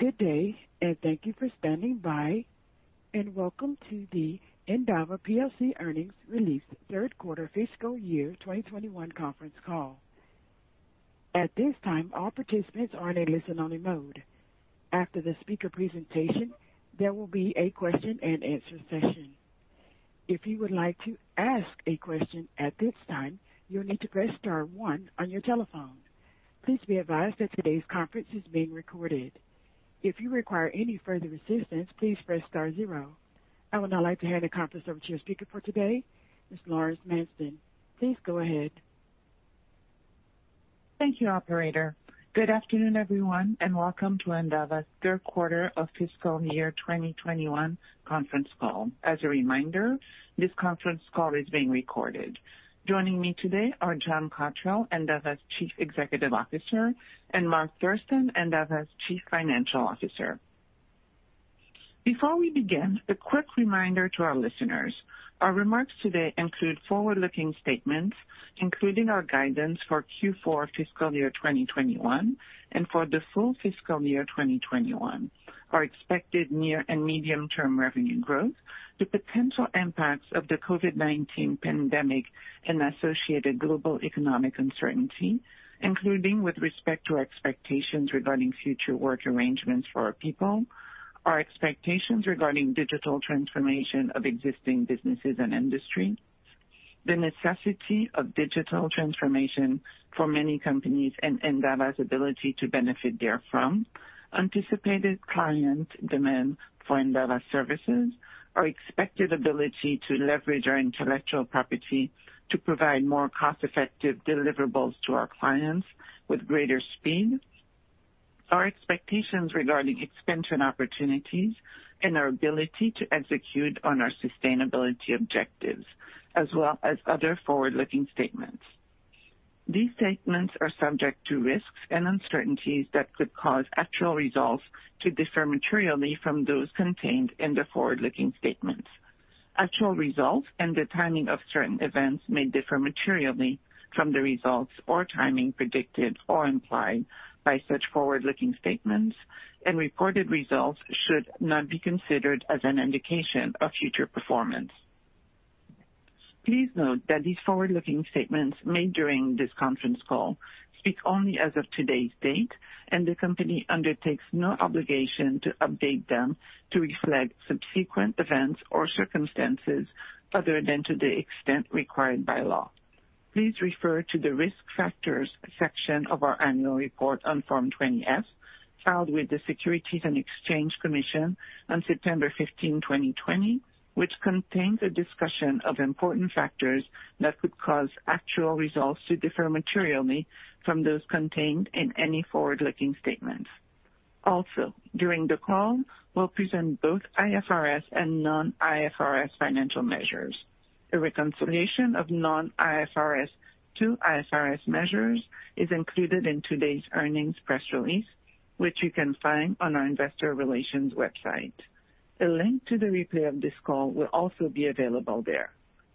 Good day. Thank you for standing by. Welcome to the Endava PLC earnings release third quarter fiscal year 2021 conference call. I would now like to hand the conference over to your speaker for today, Ms. Laurence Madsen. Please go ahead. Thank you, operator. Good afternoon, everyone, and welcome to Endava's third quarter of fiscal year 2021 conference call. As a reminder, this conference call is being recorded. Joining me today are John Cotterell, Endava's Chief Executive Officer, and Mark Thurston, Endava's Chief Financial Officer. Before we begin, a quick reminder to our listeners. Our remarks today include forward-looking statements, including our guidance for Q4 fiscal year 2021 and for the full fiscal year 2021, our expected near and medium-term revenue growth, the potential impacts of the COVID-19 pandemic and associated global economic uncertainty, including with respect to our expectations regarding future work arrangements for our people, our expectations regarding digital transformation of existing businesses and industry, the necessity of digital transformation for many companies, and Endava's ability to benefit therefrom, anticipated client demand for Endava services, our expected ability to leverage our intellectual property to provide more cost-effective deliverables to our clients with greater speed, our expectations regarding expansion opportunities, and our ability to execute on our sustainability objectives, as well as other forward-looking statements. These statements are subject to risks and uncertainties that could cause actual results to differ materially from those contained in the forward-looking statements. Actual results and the timing of certain events may differ materially from the results or timing predicted or implied by such forward-looking statements, and reported results should not be considered as an indication of future performance. Please note that these forward-looking statements made during this conference call speak only as of today's date, and the company undertakes no obligation to update them to reflect subsequent events or circumstances other than to the extent required by law. Please refer to the Risk Factors section of our annual report on Form 20-F, filed with the Securities and Exchange Commission on September 15, 2020, which contains a discussion of important factors that could cause actual results to differ materially from those contained in any forward-looking statements. Also, during the call, we'll present both IFRS and non-IFRS financial measures. A reconciliation of non-IFRS to IFRS measures is included in today's earnings press release, which you can find on our investor relations website. A link to the replay of this call will also be available there.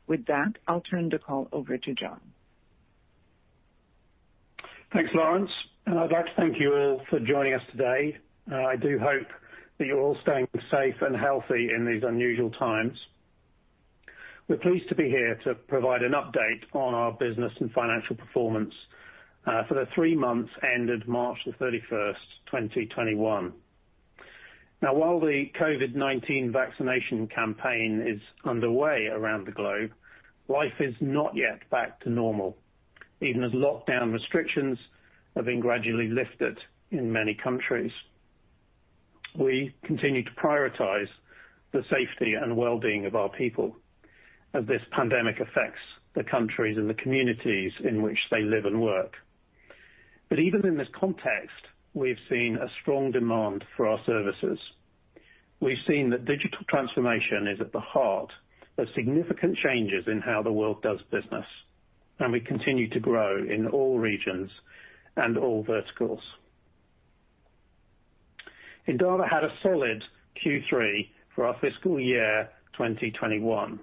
With that, I'll turn the call over to John. Thanks, Laurence, and I'd like to thank you all for joining us today. I do hope that you're all staying safe and healthy in these unusual times. We're pleased to be here to provide an update on our business and financial performance for the three months ended March the 31st, 2021. Now, while the COVID-19 vaccination campaign is underway around the globe, life is not yet back to normal, even as lockdown restrictions have been gradually lifted in many countries. We continue to prioritize the safety and well-being of our people as this pandemic affects the countries and the communities in which they live and work. Even in this context, we've seen a strong demand for our services. We've seen that digital transformation is at the heart of significant changes in how the world does business, and we continue to grow in all regions and all verticals. Endava had a solid Q3 for our fiscal year 2021,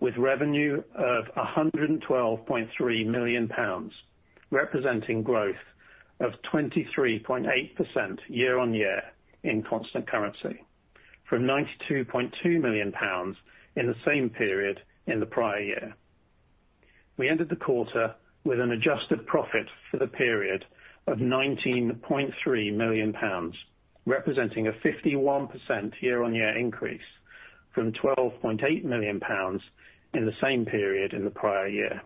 with revenue of 112.3 million pounds, representing growth of 23.8% year-on-year in constant currency, from GBP 92.2 million in the same period in the prior year. We ended the quarter with an adjusted profit for the period of GBP 19.3 million, representing a 51% year-on-year increase from GBP 12.8 million in the same period in the prior year.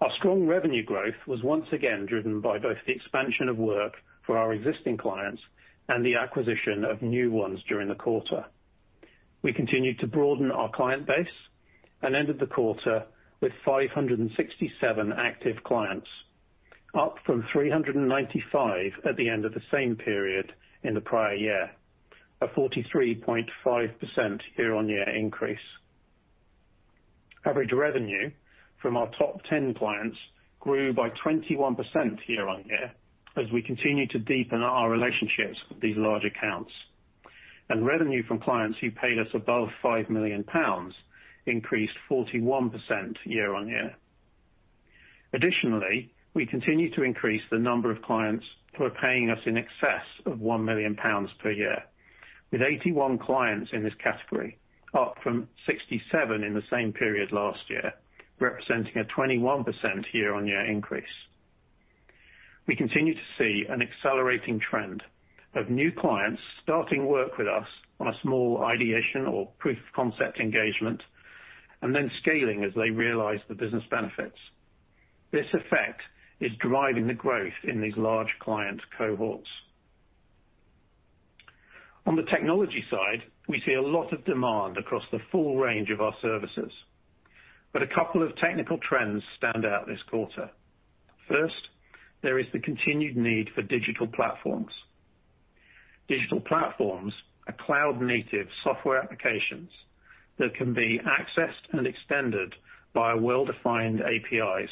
Our strong revenue growth was once again driven by both the expansion of work for our existing clients and the acquisition of new ones during the quarter. We continued to broaden our client base and ended the quarter with 567 active clients, up from 395 at the end of the same period in the prior year, a 43.5% year-on-year increase. Average revenue from our top 10 clients grew by 21% year-on-year as we continue to deepen our relationships with these large accounts. Revenue from clients who paid us above 5 million pounds increased 41% year-on-year. Additionally, we continue to increase the number of clients who are paying us in excess of 1 million pounds per year, with 81 clients in this category, up from 67 in the same period last year, representing a 21% year-on-year increase. We continue to see an accelerating trend of new clients starting work with us on a small ideation or proof-of-concept engagement, and then scaling as they realize the business benefits. This effect is driving the growth in these large client cohorts. On the technology side, we see a lot of demand across the full range of our services, but a couple of technical trends stand out this quarter. First, there is the continued need for digital platforms. Digital platforms are cloud-native software applications that can be accessed and extended by well-defined APIs,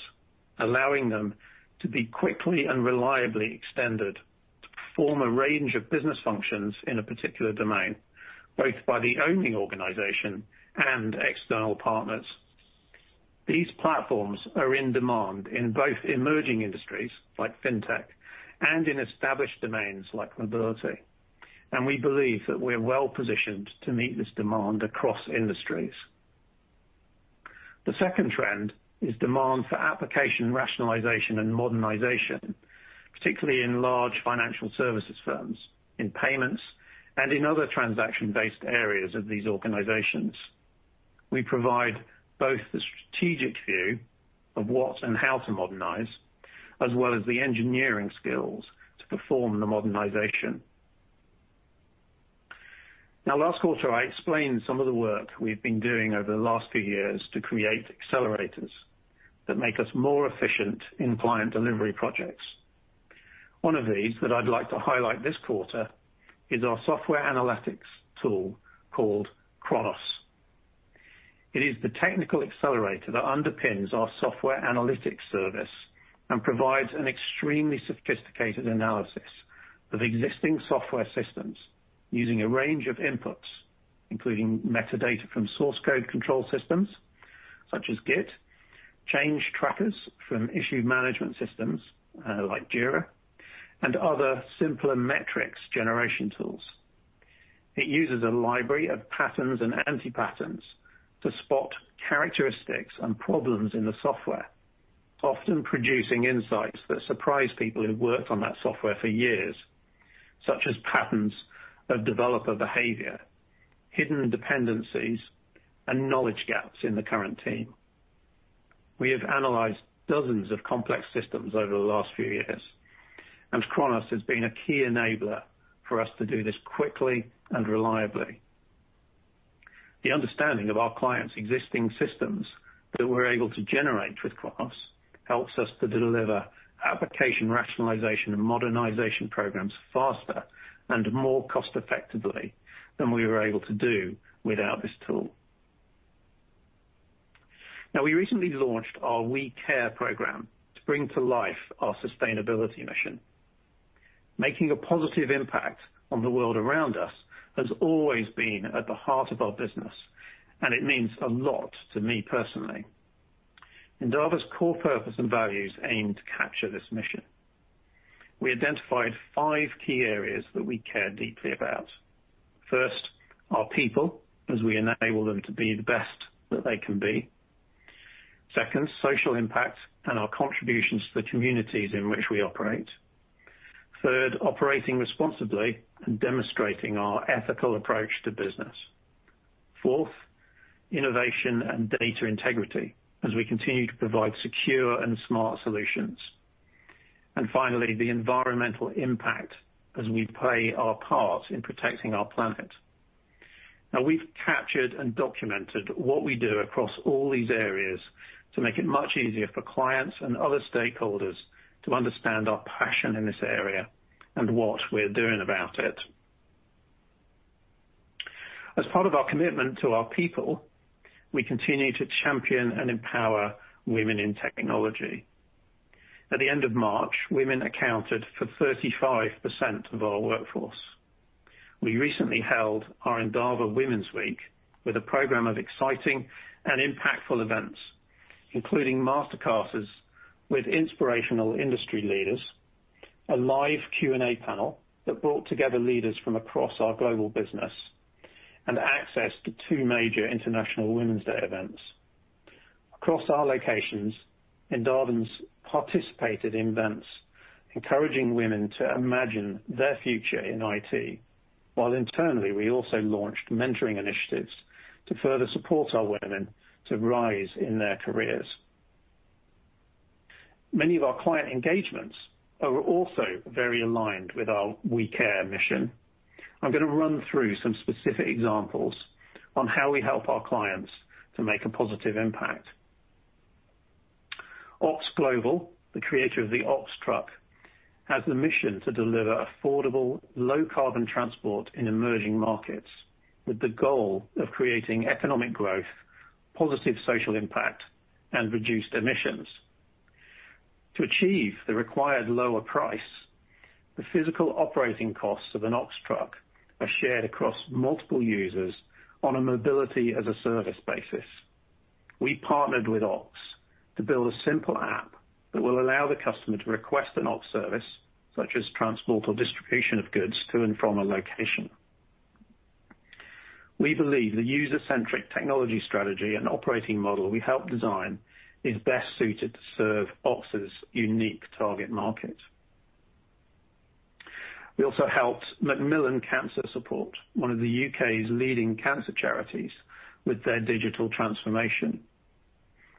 allowing them to be quickly and reliably extended to perform a range of business functions in a particular domain, both by the owning organization and external partners. These platforms are in demand in both emerging industries, like fintech, and in established domains like mobility, and we believe that we're well-positioned to meet this demand across industries. The second trend is demand for application rationalization and modernization, particularly in large financial services firms, in payments, and in other transaction-based areas of these organizations. We provide both the strategic view of what and how to modernize, as well as the engineering skills to perform the modernization. Last quarter, I explained some of the work we've been doing over the last few years to create accelerators that make us more efficient in client delivery projects. One of these that I'd like to highlight this quarter is our software analytics tool called Chronos. It is the technical accelerator that underpins our software analytics service and provides an extremely sophisticated analysis of existing software systems using a range of inputs, including metadata from source code control systems such as Git, change trackers from issue management systems like Jira, and other simpler metrics generation tools. It uses a library of patterns and anti-patterns to spot characteristics and problems in the software, often producing insights that surprise people who've worked on that software for years, such as patterns of developer behavior, hidden dependencies, and knowledge gaps in the current team. We have analyzed dozens of complex systems over the last few years, and Chronos has been a key enabler for us to do this quickly and reliably. The understanding of our clients' existing systems that we're able to generate with Chronos helps us to deliver application rationalization and modernization programs faster and more cost-effectively than we were able to do without this tool. Now, we recently launched our We Care program to bring to life our sustainability mission. Making a positive impact on the world around us has always been at the heart of our business, and it means a lot to me personally. Endava's core purpose and values aim to capture this mission. We identified five key areas that we care deeply about. First, our people, as we enable them to be the best that they can be. Second, social impact and our contributions to the communities in which we operate. Third, operating responsibly and demonstrating our ethical approach to business. Fourth, innovation and data integrity as we continue to provide secure and smart solutions. Finally, the environmental impact as we play our part in protecting our planet. Now, we've captured and documented what we do across all these areas to make it much easier for clients and other stakeholders to understand our passion in this area and what we're doing about it. As part of our commitment to our people, we continue to champion and empower women in technology. At the end of March, women accounted for 35% of our workforce. We recently held our Endava Women's Week with a program of exciting and impactful events, including master classes with inspirational industry leaders, a live Q&A panel that brought together leaders from across our global business, and access to two major International Women's Day events. Across our locations, Endava participated in events encouraging women to imagine their future in IT, while internally, we also launched mentoring initiatives to further support our women to rise in their careers. Many of our client engagements are also very aligned with our We Care mission. I'm going to run through some specific examples on how we help our clients to make a positive impact. OX Global, the creator of the OX Truck, has the mission to deliver affordable, low-carbon transport in emerging markets with the goal of creating economic growth, positive social impact, and reduced emissions. To achieve the required lower price. The physical operating costs of an OX Truck are shared across multiple users on a mobility-as-a-service basis. We partnered with OX to build a simple app that will allow the customer to request an OX service, such as transport or distribution of goods to and from a location. We believe the user-centric technology strategy and operating model we helped design is best suited to serve OX's unique target market. We also helped Macmillan Cancer Support, one of the U.K.'s leading cancer charities, with their digital transformation.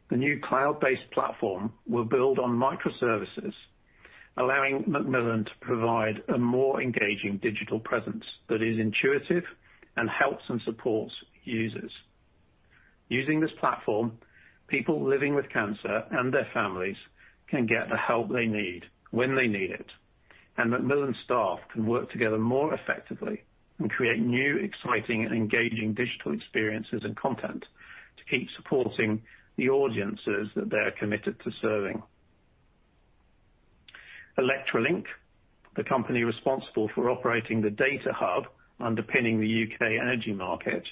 The new cloud-based platform were built on microservices, allowing Macmillan to provide a more engaging digital presence that is intuitive and helps and supports users. Using this platform, people living with cancer and their families can get the help they need when they need it, and Macmillan staff can work together more effectively and create new, exciting, and engaging digital experiences and content to keep supporting the audiences that they're committed to serving. ElectraLink, the company responsible for operating the data hub underpinning the U.K. energy market,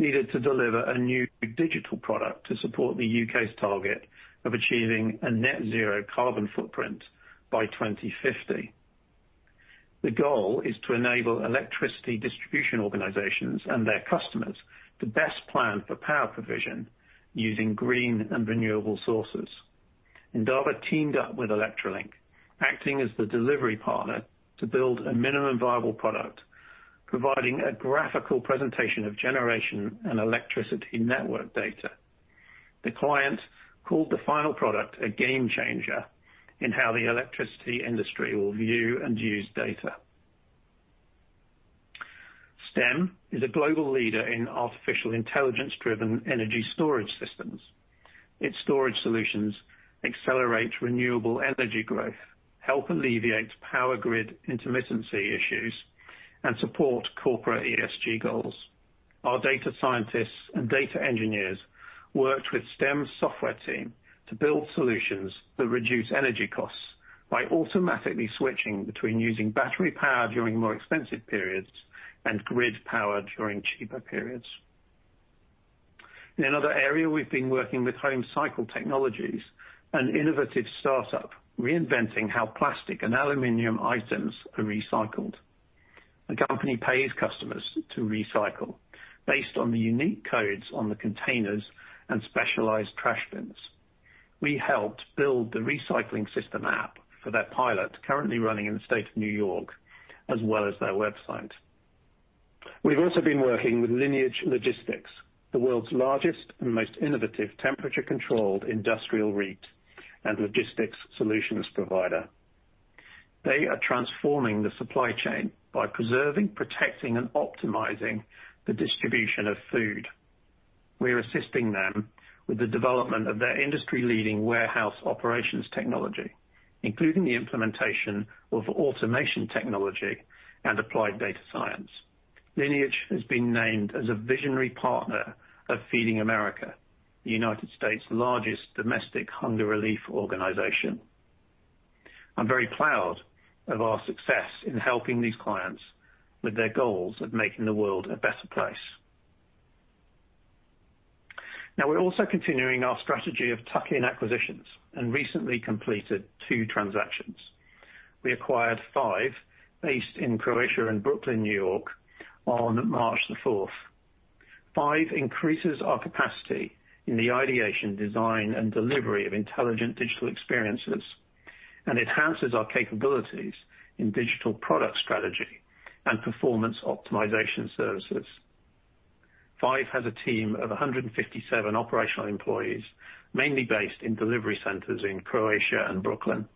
needed to deliver a new digital product to support the U.K.'s target of achieving a net zero carbon footprint by 2050. The goal is to enable electricity distribution organizations and their customers to best plan for power provision using green and renewable sources. Endava teamed up with ElectraLink, acting as the delivery partner to build a minimum viable product, providing a graphical presentation of generation and electricity network data. The client called the final product a game changer in how the electricity industry will view and use data. Stem is a global leader in artificial intelligence-driven energy storage systems. Its storage solutions accelerate renewable energy growth, help alleviate power grid intermittency issues, and support corporate ESG goals. Our data scientists and data engineers worked with Stem's software team to build solutions that reduce energy costs by automatically switching between using battery power during more expensive periods and grid power during cheaper periods. In another area, we've been working with HomeCycle Technologies, an innovative startup reinventing how plastic and aluminum items are recycled. The company pays customers to recycle based on the unique codes on the containers and specialized trash bins. We helped build the recycling system app for their pilot currently running in the state of New York, as well as their website. We've also been working with Lineage Logistics, the world's largest and most innovative temperature-controlled industrial REIT and logistics solutions provider. They are transforming the supply chain by preserving, protecting, and optimizing the distribution of food. We are assisting them with the development of their industry-leading warehouse operations technology, including the implementation of automation technology and applied data science. Lineage has been named as a visionary partner of Feeding America, the United States' largest domestic hunger relief organization. I'm very proud of our success in helping these clients with their goals of making the world a better place. We're also continuing our strategy of tuck-in acquisitions and recently completed two transactions. We acquired FIVE, based in Croatia and Brooklyn, New York, on March the 4th. FIVE increases our capacity in the ideation, design, and delivery of intelligent digital experiences and enhances our capabilities in digital product strategy and performance optimization services. FIVE has a team of 157 operational employees, mainly based in delivery centers in Croatia and Brooklyn.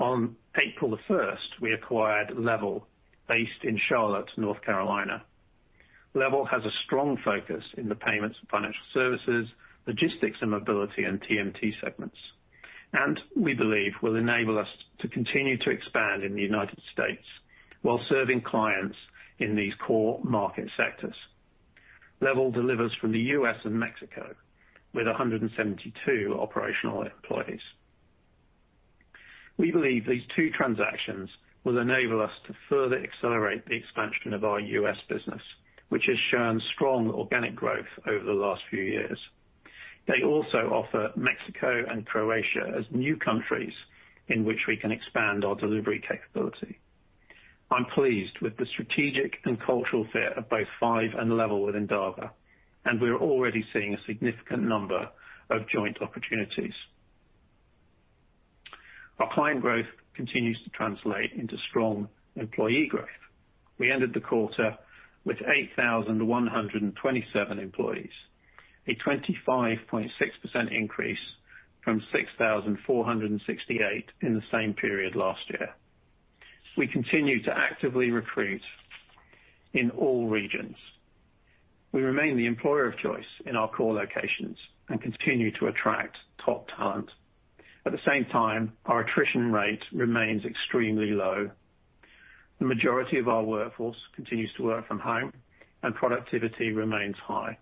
On April the 1st, we acquired Levvel, based in Charlotte, North Carolina. Levvel has a strong focus in the payments and financial services, logistics and mobility, and TMT segments, and we believe will enable us to continue to expand in the United States while serving clients in these core market sectors. Levvel delivers from the U.S. and Mexico with 172 operational employees. We believe these two transactions will enable us to further accelerate the expansion of our U.S. business, which has shown strong organic growth over the last few years. They also offer Mexico and Croatia as new countries in which we can expand our delivery capability. I'm pleased with the strategic and cultural fit of both FIVE and Levvel with Endava, and we're already seeing a significant number of joint opportunities. Our client growth continues to translate into strong employee growth. We ended the quarter with 8,127 employees, a 25.6% increase from 6,468 in the same period last year. We continue to actively recruit in all regions. We remain the employer of choice in our core locations and continue to attract top talent. At the same time, our attrition rate remains extremely low. The majority of our workforce continues to work from home, and productivity remains high.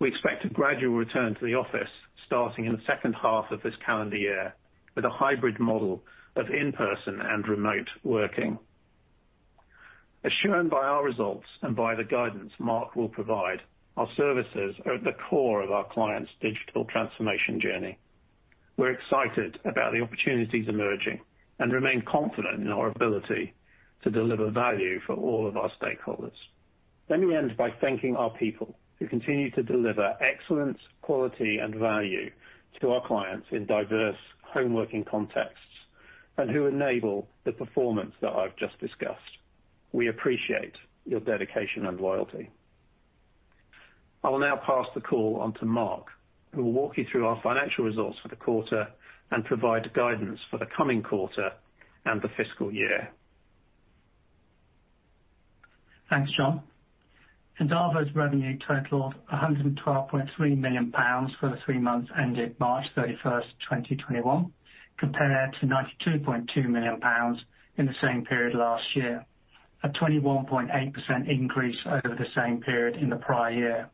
We expect a gradual return to the office starting in the second half of this calendar year with a hybrid model of in-person and remote working. As shown by our results and by the guidance Mark will provide, our services are at the core of our clients' digital transformation journey. We're excited about the opportunities emerging and remain confident in our ability to deliver value for all of our stakeholders. Let me end by thanking our people who continue to deliver excellence, quality, and value to our clients in diverse home working contexts, and who enable the performance that I've just discussed. We appreciate your dedication and loyalty. I'll now pass the call on to Mark, who will walk you through our financial results for the quarter and provide guidance for the coming quarter and the fiscal year. Thanks, John. Endava's revenue totaled GBP 112.3 million for the three months ended March 31st, 2021, compared to 92.2 million pounds in the same period last year. A 21.8% increase over the same period in the prior year.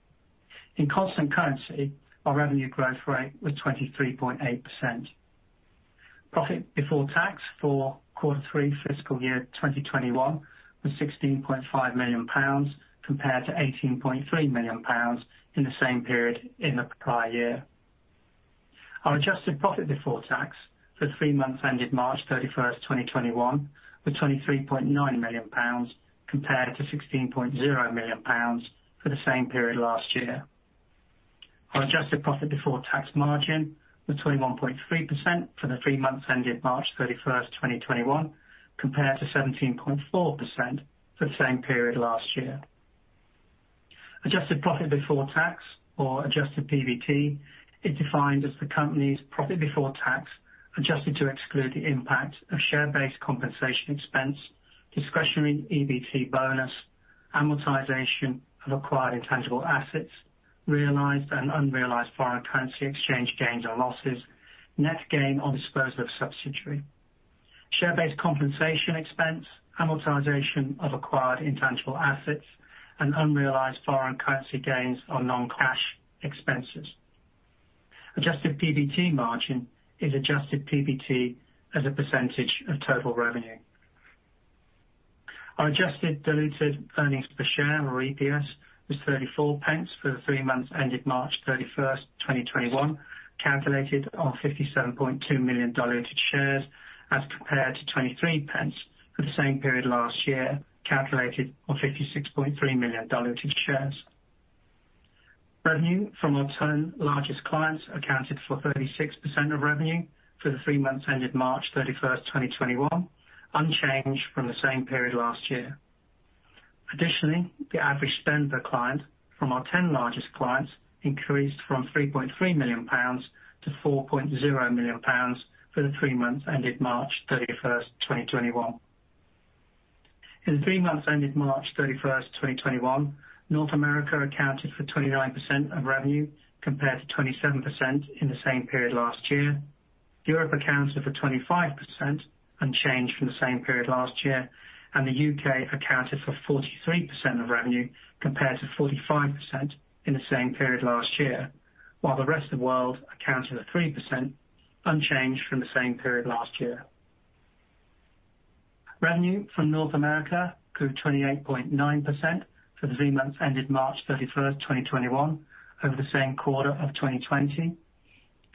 In constant currency, our revenue growth rate was 23.8%. Profit before tax for quarter three fiscal year 2021 was 16.5 million pounds compared to 18.3 million pounds in the same period in the prior year. Our adjusted profit before tax for the three months ended March 31st, 2021, was 23.9 million pounds compared to 16.0 million pounds for the same period last year. Our adjusted profit before tax margin was 21.3% for the three months ended March 31st, 2021, compared to 17.4% for the same period last year. Adjusted profit before tax or adjusted PBT is defined as the company's profit before tax, adjusted to exclude the impact of share-based compensation expense, discretionary EBT bonus, amortization of acquired intangible assets, realized and unrealized foreign currency exchange gains or losses, net gain on disposal of subsidiary. Share-based compensation expense, amortization of acquired intangible assets, and unrealized foreign currency gains are non-cash expenses. Adjusted PBT margin is adjusted PBT as a percentage of total revenue. Our adjusted diluted earnings per share or EPS was 0.34 for the three months ended March 31st, 2021, calculated on 57.2 million diluted shares as compared to 0.23 for the same period last year, calculated on 56.3 million diluted shares. Revenue from our ten largest clients accounted for 36% of revenue for the three months ended March 31st, 2021, unchanged from the same period last year. The average spend per client from our ten largest clients increased from 3.3 million pounds to 4.0 million pounds for the three months ended March 31st, 2021. In the three months ended March 31st, 2021, North America accounted for 29% of revenue, compared to 27% in the same period last year. Europe accounted for 25%, unchanged from the same period last year. The U.K. accounted for 43% of revenue, compared to 45% in the same period last year. While the rest of the world accounted for 3%, unchanged from the same period last year. Revenue from North America grew 28.9% for the three months ended March 31st, 2021, over the same quarter of 2020.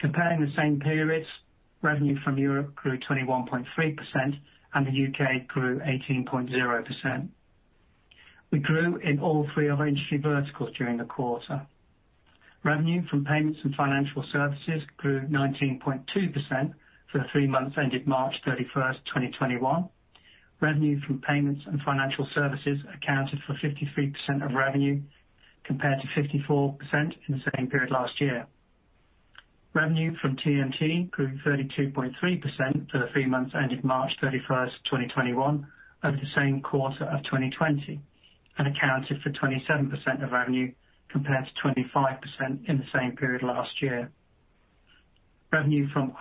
Comparing the same periods, revenue from Europe grew 21.3% and the U.K. grew 18.0%. We grew in all three of our industry verticals during the quarter. Revenue from payments and financial services grew 19.2% for the three months ended March 31st, 2021. Revenue from payments and financial services accounted for 53% of revenue, compared to 54% in the same period last year. Revenue from TMT grew 32.3% for the three months ended March 31st, 2021, over the same quarter of 2020, and accounted for 27% of revenue compared to 25% in the same period last year. Revenue from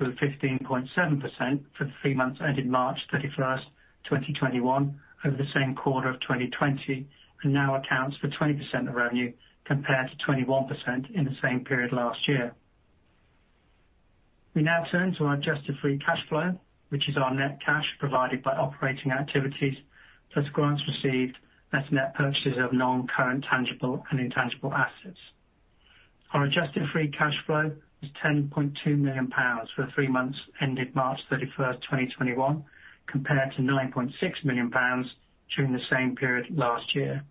other grew 15.7% for the three months ended March 31st, 2021, over the same quarter of 2020, and now accounts for 20% of revenue compared to 21% in the same period last year. We now turn to our adjusted free cash flow, which is our net cash provided by operating activities, plus grants received, less net purchases of non-current tangible and intangible assets. Our adjusted free cash flow was 10.2 million pounds for three months ended March 31st, 2021, compared to 9.6 million pounds during the same period last year.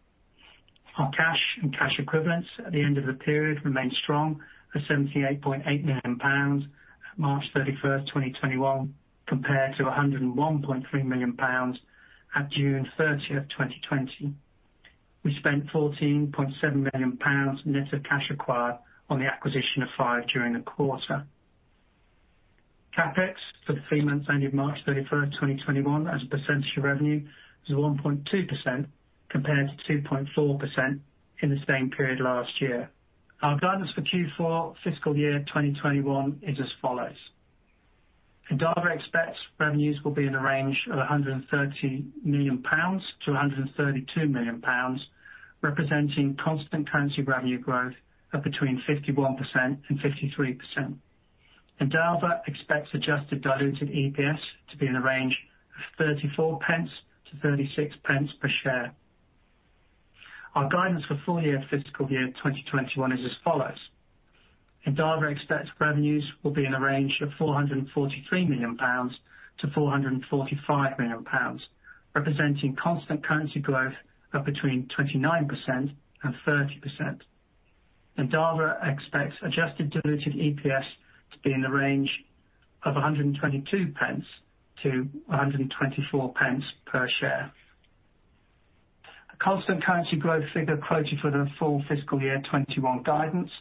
Our cash and cash equivalents at the end of the period remained strong at 78.8 million pounds at March 31st, 2021, compared to 101.3 million pounds at June 30th, 2020. We spent 14.7 million pounds net of cash acquired on the acquisition of Five during the quarter. CapEx for the three months ended March 31st, 2021, as a percentage of revenue was 1.2% compared to 2.4% in the same period last year. Our guidance for Q4 fiscal year 2021 is as follows. Endava expects revenues will be in the range of 130 million-132 million pounds, representing constant currency revenue growth of between 51% and 53%. Endava expects adjusted diluted EPS to be in the range of 0.34-0.36 per share. Our guidance for full year fiscal year 2021 is as follows. Endava expects revenues will be in a range of 443 million-445 million pounds, representing constant currency growth of between 29% and 30%. Endava expects adjusted diluted EPS to be in the range of 1.22-1.24 per share. A constant currency growth figure quoted for the full fiscal year 2021 guidance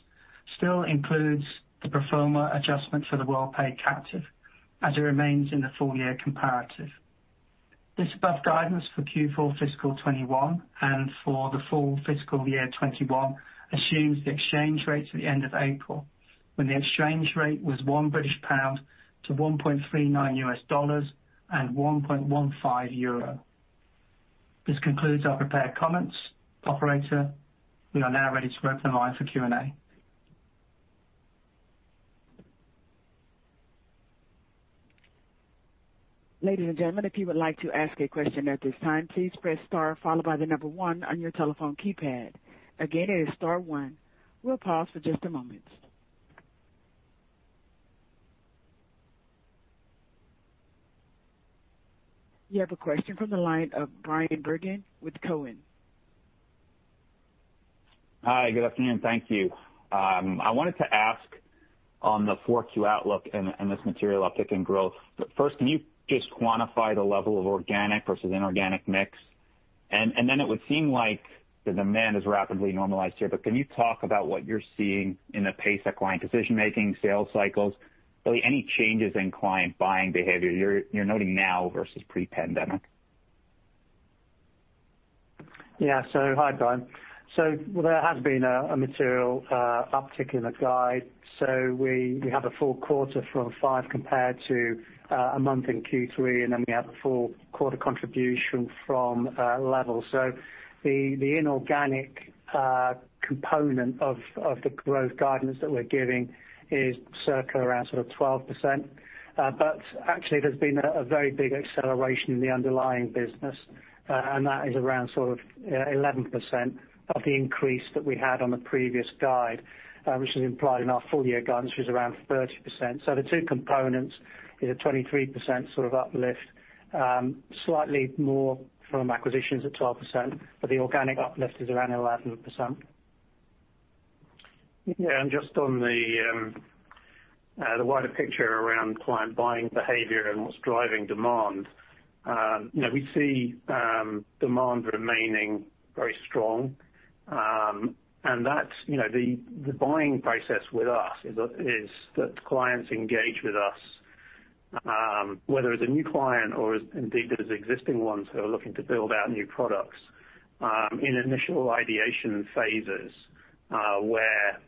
still includes the pro forma adjustment for the Worldpay captive as it remains in the full year comparative. This above guidance for Q4 fiscal 2021 and for the full fiscal year 2021 assumes the exchange rates at the end of April when the exchange rate was one British pound to $1.39 and EUR 1.15. This concludes our prepared comments. Operator, we are now ready to open the line for Q&A. Ladies and gentlemen, if you would like to ask a question at this time, please press star followed by the number one on your telephone keypad. Again, it is star one. We'll pause for just a moment. You have a question from the line of Bryan Bergin with Cowen. Hi. Good afternoon. Thank you. I wanted to ask on the 4Q outlook and this material uptick in growth, but first, can you just quantify the level of organic versus inorganic mix? Then it would seem like the demand has rapidly normalized here, but can you talk about what you're seeing in the pace of client decision making, sales cycles, really any changes in client buying behavior you're noting now versus pre-pandemic. Yeah. Hi, Bryan. There has been a material uptick in the guide. We have a full quarter from FIVE compared to a month in Q3, and then we have a full quarter contribution from Levvel. The inorganic component of the growth guidance that we're giving is circa around sort of 12%, but actually there's been a very big acceleration in the underlying business, and that is around sort of 11% of the increase that we had on the previous guide, which is implied in our full-year guidance, which is around 30%. The two components is a 23% sort of uplift, slightly more from acquisitions at 12%, but the organic uplift is around 11%. Just on the wider picture around client buying behavior and what's driving demand. We see demand remaining very strong. The buying process with us is that clients engage with us, whether it's a new client or indeed it is existing ones who are looking to build out new products, in initial ideation phases, where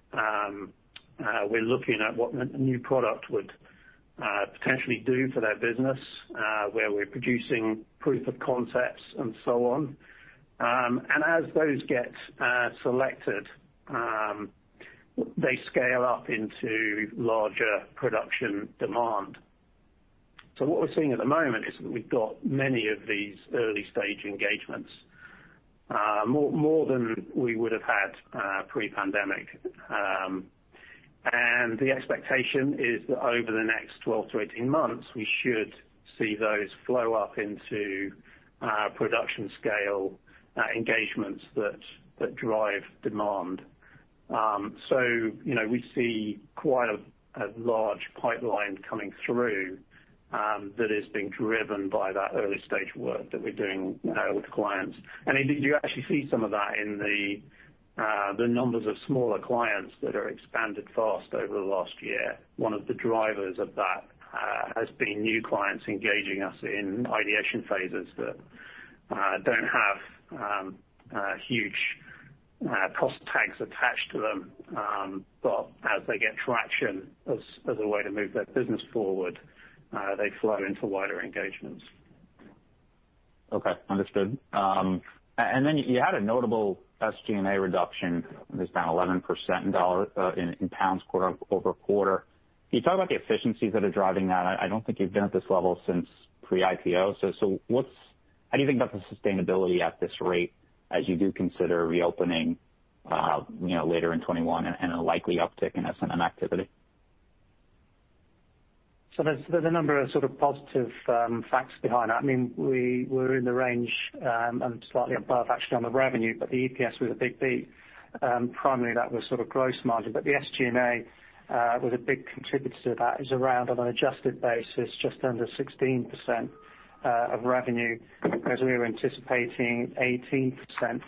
we're looking at what the new product would potentially do for their business, where we're producing proof of concepts and so on. As those get selected, they scale up into larger production demand. What we're seeing at the moment is that we've got many of these early-stage engagements. More than we would have had pre-pandemic. The expectation is that over the next 12-18 months, we should see those flow up into production scale engagements that drive demand. We see quite a large pipeline coming through that is being driven by that early-stage work that we're doing with clients. Indeed, you actually see some of that in the numbers of smaller clients that have expanded fast over the last year. One of the drivers of that has been new clients engaging us in ideation phases that don't have huge cost tags attached to them. As they get traction as a way to move their business forward, they flow into wider engagements. Okay, understood. You had a notable SG&A reduction. It was down 11% in GBP quarter-over-quarter. Can you talk about the efficiencies that are driving that? I don't think you've been at this level since pre-IPO. How do you think about the sustainability at this rate as you do consider reopening later in 2021 and a likely uptick in S&M activity? There's a number of sort of positive facts behind that. We were in the range and slightly above actually on the revenue, the EPS was a big beat. Primarily that was sort of gross margin. The SG&A was a big contributor to that, is around on an adjusted basis, just under 16% of revenue whereas we were anticipating 18%.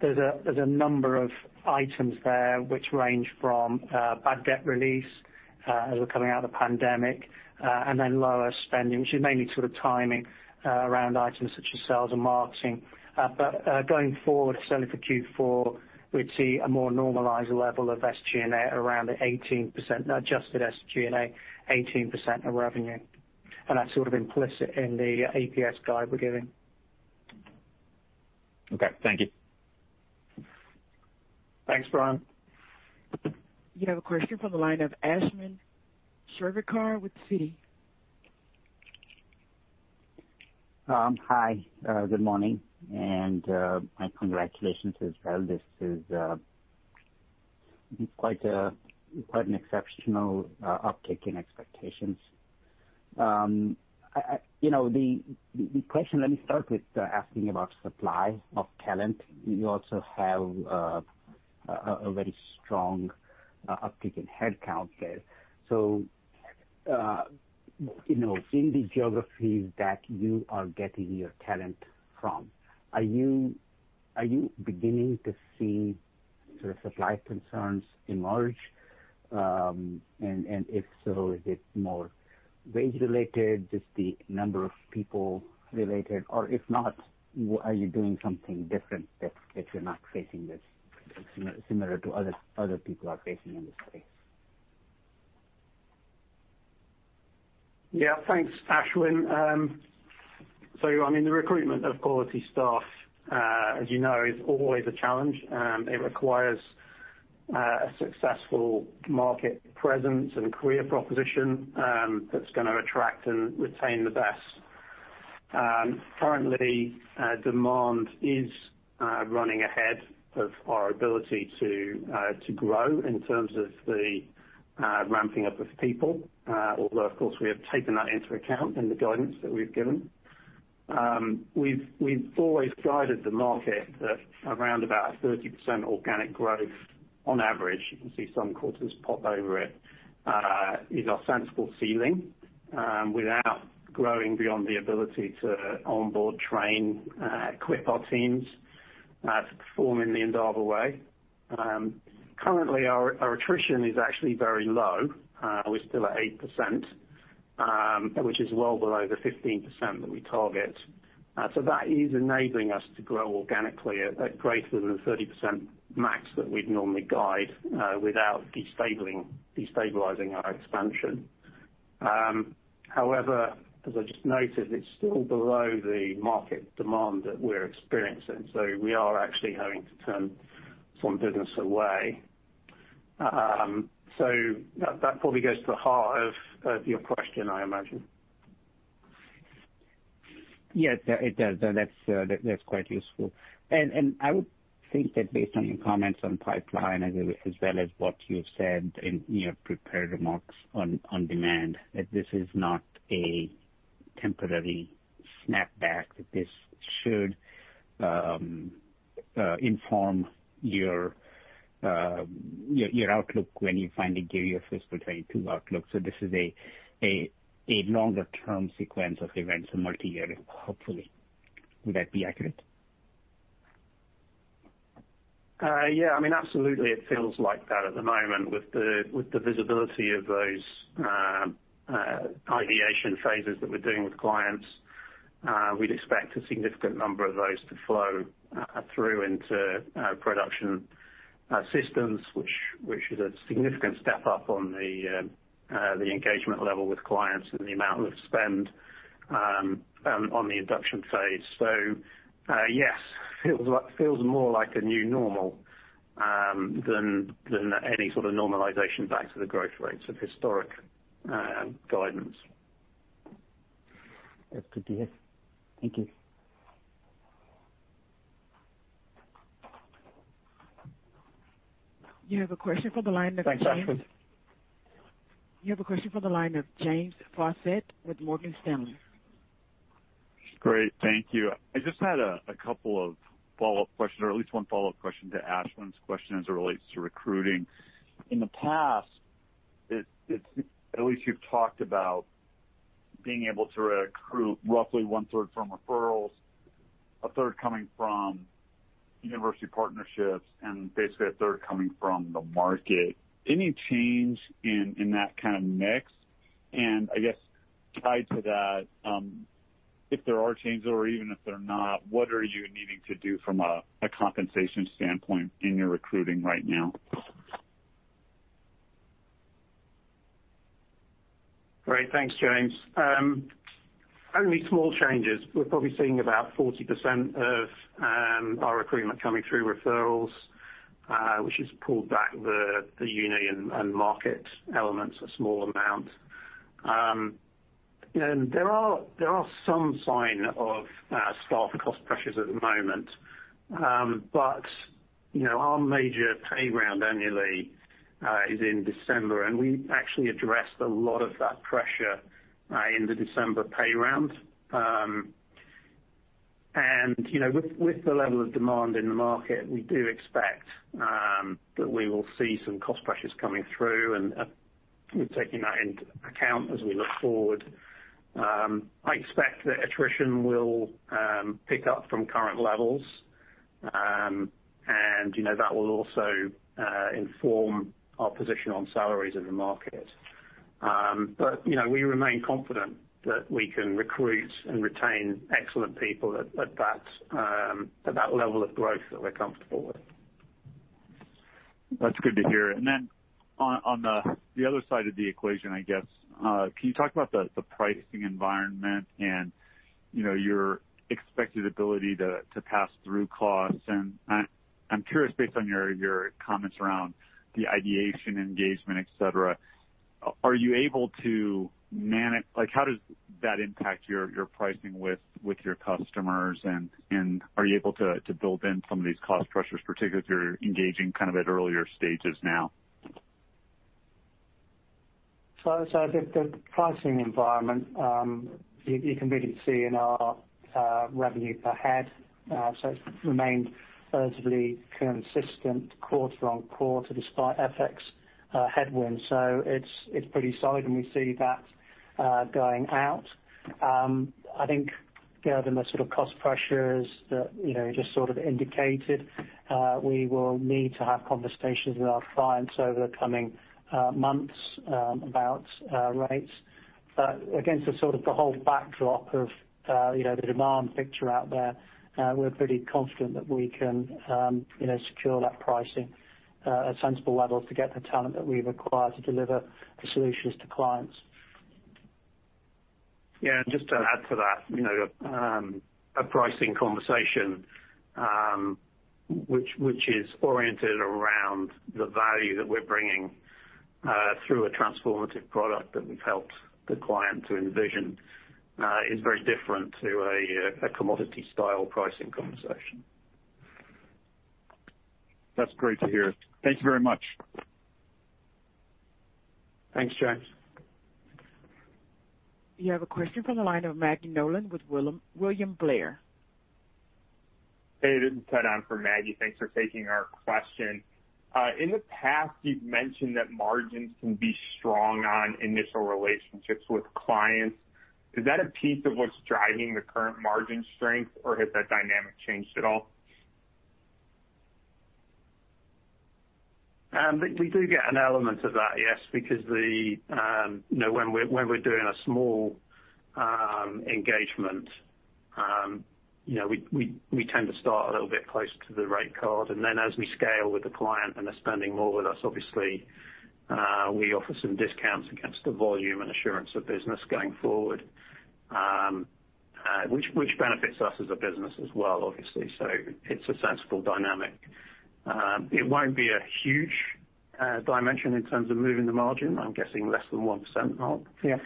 There's a number of items there which range from bad debt release as we're coming out of the pandemic and then lower spending, which is mainly sort of timing around items such as sales and marketing. Going forward, certainly for Q4, we'd see a more normalized level of SG&A around the 18%, adjusted SG&A, 18% of revenue. That's sort of implicit in the EPS guide we're giving. Okay, thank you. Thanks, Bryan. You have a question from the line of Ashwin Shirvaikar with Citi. Hi, good morning. Congratulations as well. This is quite an exceptional uptick in expectations. The question I might start with asking about supply of talent. You also have a very strong uptick in headcount there. In the geographies that you are getting your talent from, are you beginning to see the supply concerns emerge? If so, is it more wage related, just the number of people related, or if not, are you doing something different that you're not facing that's similar to other people are facing in the space? Thanks, Ashwin. I mean, the recruitment of quality staff, as you know, is always a challenge. It requires a successful market presence and career proposition that's going to attract and retain the best. Currently, demand is running ahead of our ability to grow in terms of the ramping up of people. Although, of course, we have taken that into account in the guidance that we've given. We've always guided the market that around about 30% organic growth on average, you can see some quarters pop over it, is our sensible ceiling without growing beyond the ability to onboard train, equip our teams to perform in the Endava way. Currently, our attrition is actually very low. We're still at 8%, which is well below the 15% that we target. That is enabling us to grow organically at greater than 30% max that we'd normally guide without destabilizing our expansion. However, as I just noted, it's still below the market demand that we're experiencing. We are actually having to turn some business away. That probably goes to the heart of your question, I imagine. It does. That's quite useful. I would think that based on your comments on pipeline, as well as what you've said in your prepared remarks on demand, that this is not a temporary snap back, that this should inform your outlook when you finally give your fiscal 2022 outlook. This is a longer-term sequence of events and multi-year, hopefully. Would that be accurate? Yeah, absolutely it feels like that at the moment with the visibility of those ideation phases that we're doing with clients. We'd expect a significant number of those to flow through into production systems, which is a significant step up on the engagement level with clients and the amount of spend on the induction phase. Yes, feels more like a new normal than any sort of normalization back to the growth rates of historic guidance. That's good to hear. Thank you. You have a question from the line of. Thanks, Ashwin. You have a question from the line of James Faucette with Morgan Stanley. Great, thank you. I just had a couple of follow-up questions, or at least one follow-up question to Ashwin's question as it relates to recruiting. In the past, at least you've talked about being able to recruit roughly one-third from referrals, a third coming from university partnerships, and basically a third coming from the market. Any change in that kind of mix? I guess tied to that, if there are changes or even if they're not, what are you needing to do from a compensation standpoint in your recruiting right now? Great. Thanks, James. Only small changes. We're probably seeing about 40% of our recruitment coming through referrals, which has pulled back the uni and market elements a small amount. There are some sign of staff cost pressures at the moment. Our major pay round annually is in December, and we actually addressed a lot of that pressure in the December pay round. With the level of demand in the market, we do expect that we will see some cost pressures coming through and we're taking that into account as we look forward. I expect that attrition will pick up from current levels, and that will also inform our position on salaries in the market. We remain confident that we can recruit and retain excellent people at that level of growth that we're comfortable with. That's good to hear. On the other side of the equation, I guess, can you talk about the pricing environment and your expected ability to pass through costs? I'm curious, based on your comments around the ideation, engagement, etc, how does that impact your pricing with your customers, and are you able to build in some of these cost pressures, particularly if you're engaging at earlier stages now? I think the pricing environment, you can really see in our revenue per head. It's remained relatively consistent quarter-on-quarter, despite FX headwind. It's pretty solid, and we see that going out. I think the sort of cost pressures that you just sort of indicated, we will need to have conversations with our clients over the coming months about rates. Against the whole backdrop of the demand picture out there, we're pretty confident that we can secure that pricing at a sensible level to get the talent that we require to deliver the solutions to clients. Yeah, just to add to that, a pricing conversation which is oriented around the value that we're bringing through a transformative product that we've helped the client to envision is very different to a commodity-style pricing conversation. That's great to hear. Thank you very much. Thanks, John. We have a question from the line of Maggie Nolan with William Blair. Hey, this is Maggie. Thanks for taking our question. In the past you've mentioned that margins can be strong on initial relationships with clients. Is that a piece of what's driving the current margin strength, or has that dynamic changed at all? We do get an element of that, yes, because when we're doing a small engagement, we tend to start a little bit closer to the rate card, and then as we scale with the client and they're spending more with us, obviously, we offer some discounts against the volume and assurance of business going forward, which benefits us as a business as well, obviously. It's a sensible dynamic. It won't be a huge dimension in terms of moving the margin. I'm guessing less than 1%, Mark? Yeah.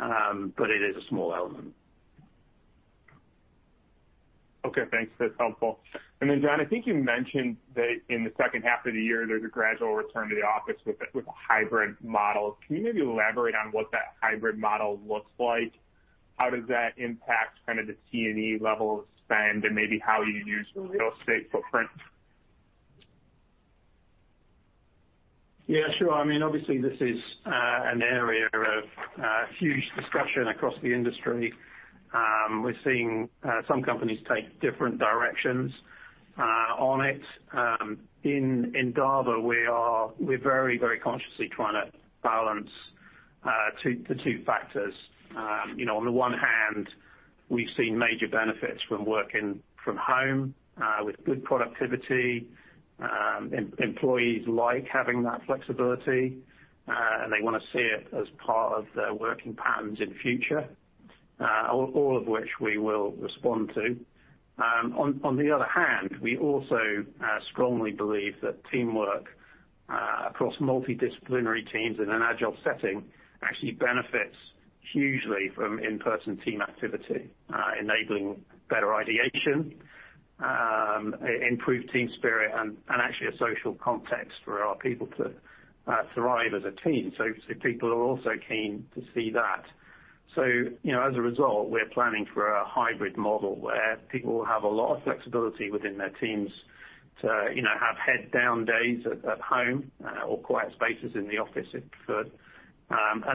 It is a small element. Okay, thanks. That's helpful. John, I think you mentioned that in the second half of the year, there's a gradual return to the office with a hybrid model. Can you maybe elaborate on what that hybrid model looks like? How does that impact the T&E level of spend and maybe how you use your real estate footprint? Yeah, sure. Obviously, this is an area of huge discussion across the industry. We're seeing some companies take different directions on it. In Endava, we're very consciously trying to balance the two factors. On the one hand, we've seen major benefits from working from home with good productivity. Employees like having that flexibility, and they want to see it as part of their working patterns in future, all of which we will respond to. On the other hand, we also strongly believe that teamwork across multidisciplinary teams in an agile setting actually benefits hugely from in-person team activity, enabling better ideation, improved team spirit, and actually a social context for our people to thrive as a team. People are also keen to see that. As a result, we're planning for a hybrid model where people will have a lot of flexibility within their teams to have head-down days at home or quiet spaces in the office if preferred.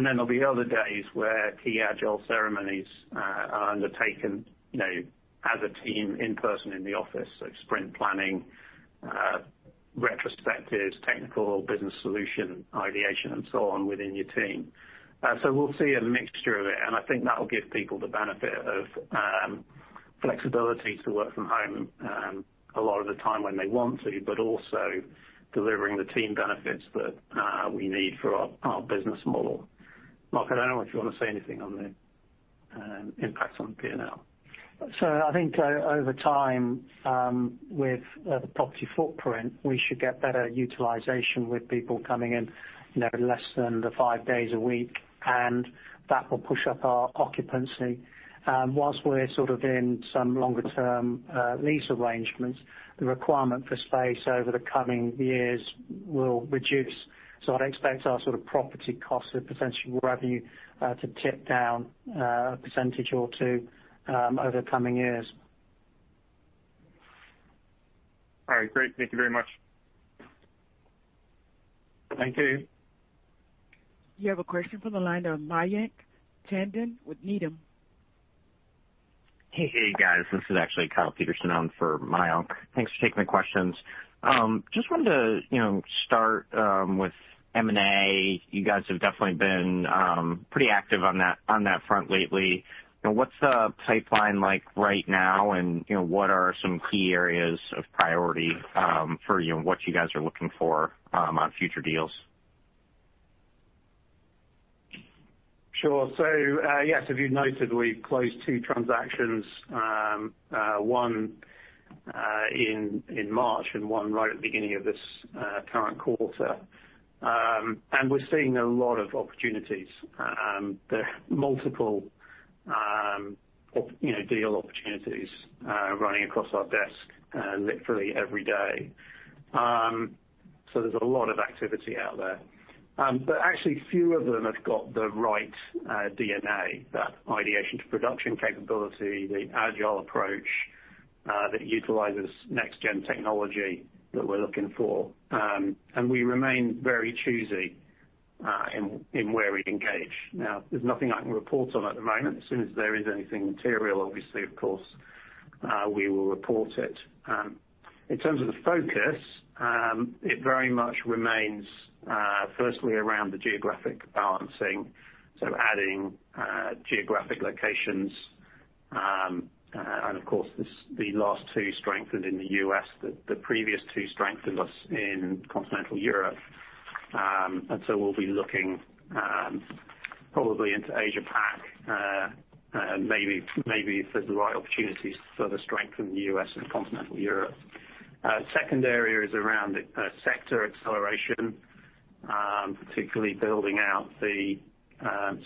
There'll be other days where key agile ceremonies are undertaken as a team in person in the office, so sprint planning, retrospectives, technical or business solution ideation and so on within your team. We'll see a mixture of it, and I think that will give people the benefit of flexibility to work from home a lot of the time when they want to, but also delivering the team benefits that we need for our business model. Mark, I don't know if you want to say anything on the impact on P&L. I think over time, with the property footprint, we should get better utilization with people coming in less than the five days a week, and that will push up our occupancy. Once we're in some longer-term lease arrangements, the requirement for space over the coming years will reduce. I'd expect our property costs as a percent of revenue to tip down a percentage or two over the coming years. All right, great. Thank you very much. Thank you. You have a question from the line of Mayank Tandon with Needham. Hey, guys. This is actually Kyle Peterson on for Mayank. Thanks for taking my questions. Just wanted to start with M&A. You guys have definitely been pretty active on that front lately. What's the pipeline like right now, and what are some key areas of priority for what you guys are looking for on future deals? Sure. Yes, if you've noted, we've closed two transactions, one in March and one right at the beginning of this current quarter. We're seeing a lot of opportunities. There are multiple deal opportunities running across our desk literally every day. There's a lot of activity out there. Actually, few of them have got the right DNA, that ideation to production capability, the agile approach that utilizes next gen technology that we're looking for. We remain very choosy in where we engage. Now, there's nothing I can report on at the moment. As soon as there is anything material, obviously, of course, we will report it. In terms of the focus, it very much remains firstly around the geographic balancing, so adding geographic locations. Of course, the last two strengthened in the U.S., the previous two strengthened us in continental Europe. We'll be looking probably into Asia-Pac, maybe if there's the right opportunities to further strengthen the U.S. and continental Europe. Second area is around sector acceleration, particularly building out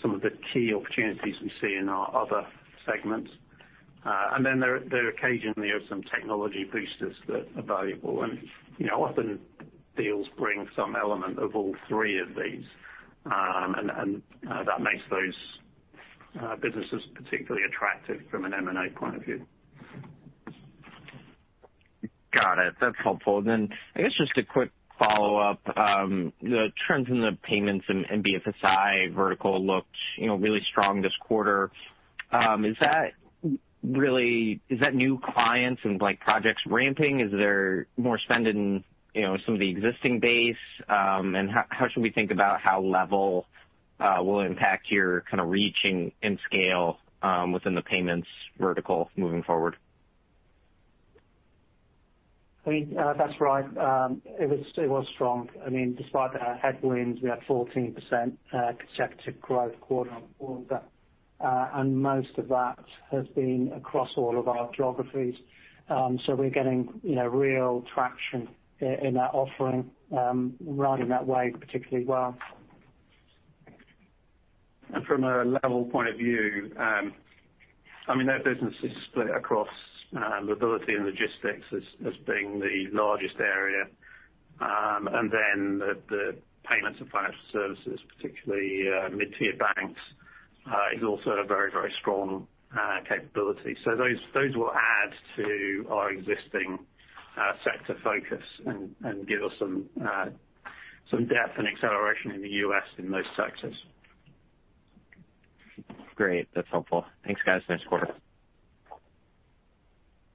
some of the key opportunities we see in our other segments. There occasionally are some technology boosters that are valuable. Often deals bring some element of all three of these, and that makes those businesses particularly attractive from an M&A point of view. Got it. That's helpful. I guess just a quick follow-up. The trends in the payments and BFSI vertical looked really strong this quarter. Is that new clients and projects ramping? Is there more spend in some of the existing base? How should we think about how Levvel will impact your kind of reaching end scale within the payments vertical moving forward? That's right. It was strong. Despite our headwinds, we had 14% consecutive growth quarter on quarter. Most of that has been across all of our geographies. We're getting real traction in that offering, riding that wave particularly well. From a Levvel point of view, that business is split across mobility and logistics as being the largest area. The payments and financial services, particularly mid-tier banks is also a very strong capability. Those will add to our existing sector focus and give us some depth and acceleration in the U.S. in those sectors. Great. That's helpful. Thanks, guys. Nice quarter.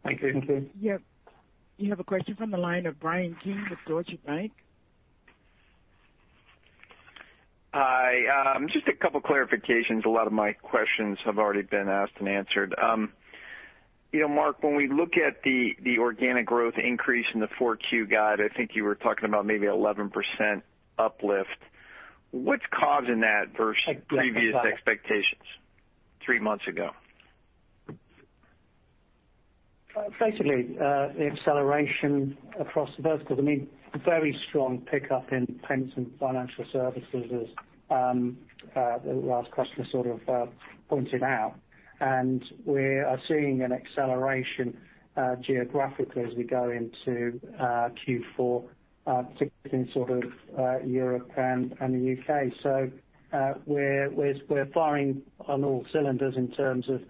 Thank you. Thank you. Yep. You have a question from the line of Bryan Keane with Deutsche Bank. Hi. Just a couple clarifications. A lot of my questions have already been asked and answered. Mark, when we look at the organic growth increase in the 4Q guide, I think you were talking about maybe 11% uplift. What's causing that versus previous expectations three months ago? Basically, the acceleration across the verticals. Very strong pickup in payments and financial services as the last customer sort of pointed out. We are seeing an acceleration geographically as we go into Q4, particularly in Europe and the U.K. We're firing on all cylinders in terms of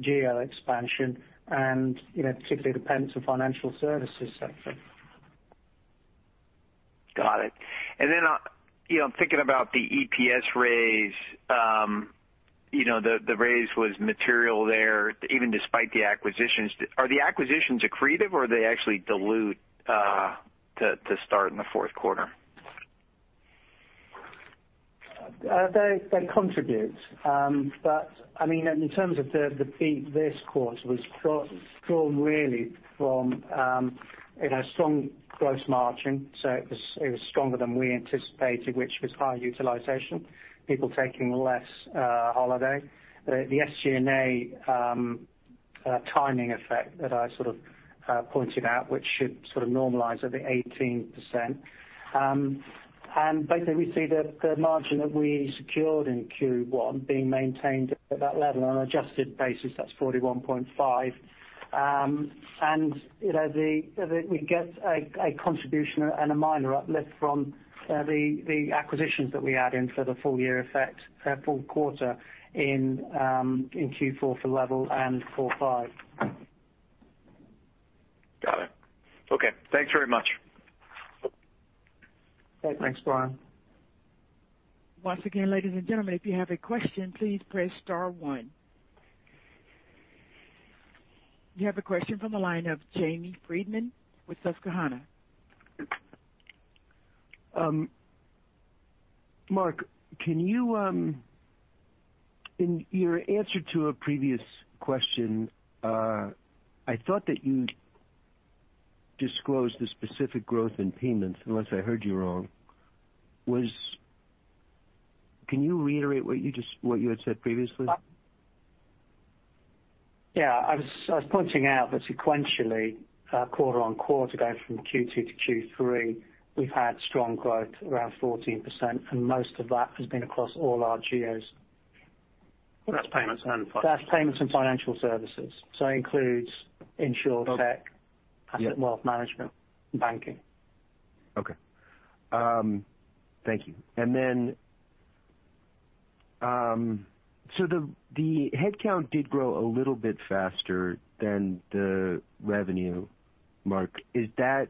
geo expansion and particularly the payments and financial services sector. Got it. I'm thinking about the EPS raise. The raise was material there, even despite the acquisitions. Are the acquisitions accretive, or they actually dilute to start in the fourth quarter? They contribute. In terms of the beat this quarter was drawn really from a strong gross margin. It was stronger than we anticipated, which was high utilization, people taking less holiday. The SG&A timing effect that I sort of pointed out, which should sort of normalize at the 18%. Basically, we see the margin that we secured in Q1 being maintained at that level. On an adjusted basis, that's 41.5%. We get a contribution and a minor uplift from the acquisitions that we add in for the full quarter in Q4 for Levvel and Five. Got it. Okay. Thanks very much. Thanks, Bryan. Once again, ladies and gentlemen, if you have a question, please press star one. You have a question from the line of Jamie Friedman with Susquehanna. Mark, in your answer to a previous question, I thought that disclose the specific growth in payments, unless I heard you wrong. Can you reiterate what you had said previously? Yeah, I was pointing out that sequentially, quarter-on-quarter, going from Q2 to Q3, we've had strong growth, around 14%, and most of that has been across all our geos. That's payments and financial. That's payments and financial services. Includes InsurTech. Asset and wealth management, and banking. Okay. Thank you. The headcount did grow a little bit faster than the revenue mark. Your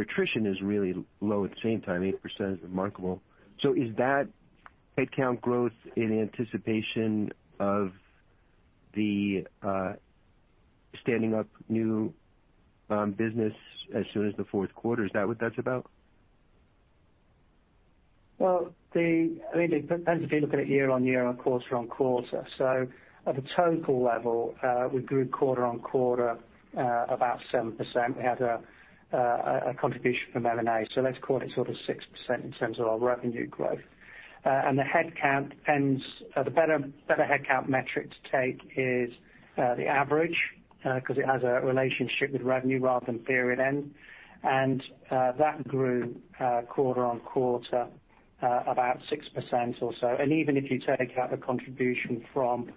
attrition is really low at the same time, 8% is remarkable. Is that headcount growth in anticipation of the standing up new business as soon as the fourth quarter? Is that what that's about? Well, I think as we did put it year-on-year and quarter-on-quarter. At a total level, we grew quarter-on-quarter about 7%. We had a contribution from M&A. Let's call it sort of 6% in terms of our revenue growth. The headcount, the better headcount metric to take is the average, because it has a relationship with revenue rather than period end. That grew quarter-on-quarter about 6% or so. Even if you take out the contribution from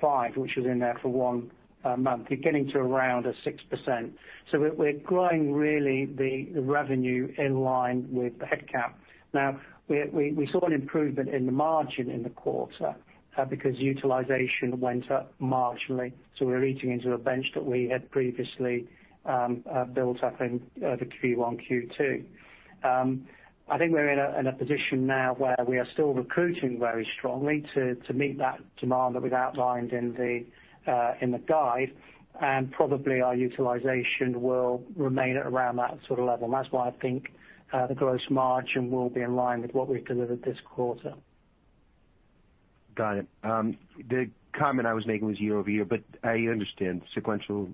FIVE, which was in there for one month, you're getting to around a 6%. We're growing really the revenue in line with the headcount. Now, we saw an improvement in the margin in the quarter because utilization went up markedly. We're eating into a bench that we had previously built up in the Q1, Q2. I think we're in a position now where we are still recruiting very strongly to meet that demand that we've outlined in the guide. Probably our utilization will remain at around that sort of level. That's why I think the gross margin will be in line with what we delivered this quarter. Got it. The comment I was making was year-over-year, but I understand sequential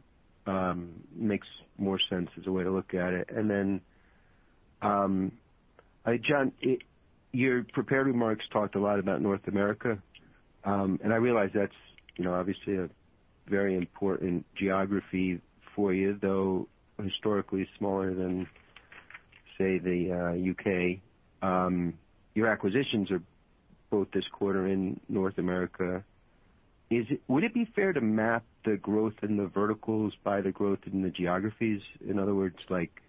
makes more sense as a way to look at it. John, your prepared remarks talked a lot about North America. I realize that's obviously a very important geography for you, though historically smaller than, say, the U.K. Your acquisitions are both this quarter in North America. Would it be fair to map the growth in the verticals by the growth in the geographies? In other words, like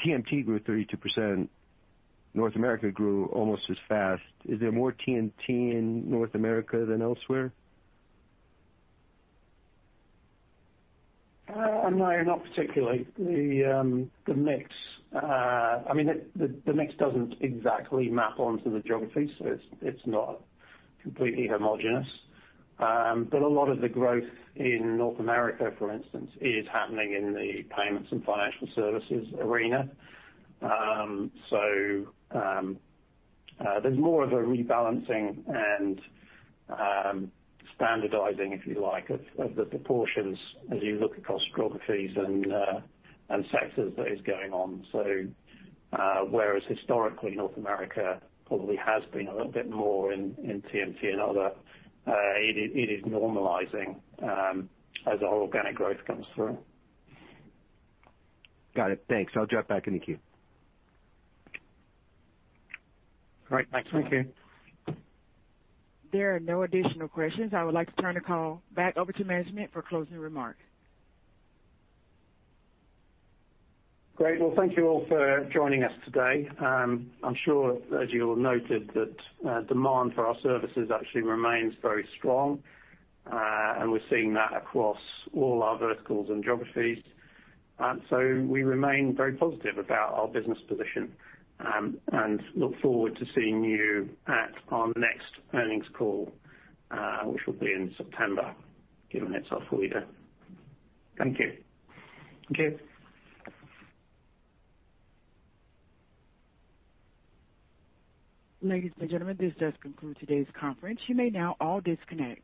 TMT grew 32%, North America grew almost as fast. Is there more TMT in North America than elsewhere? No, not particularly. The mix doesn't exactly map onto the geography, so it's not completely homogenous. A lot of the growth in North America, for instance, is happening in the payments and financial services arena. There's more of a rebalancing and standardizing, if you like, of the proportions as you look across geographies and sectors that is going on. Whereas historically North America probably has been a little bit more in TMT and other, it is normalizing as our organic growth comes through. Got it. Thanks. I'll drop back in the queue. All right. Thanks. Thank you. There are no additional questions. I would like to turn the call back over to management for closing remarks. Great. Well, thank you all for joining us today. I'm sure as you all noted that demand for our services actually remains very strong. We're seeing that across all our verticals and geographies. We remain very positive about our business position and look forward to seeing you at our next earnings call, which will be in September, given it's our full year. Thank you. Ladies and gentlemen, this does conclude today's conference. You may now all disconnect.